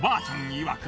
いわく